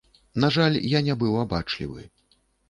На жаль, я не быў абачлівы.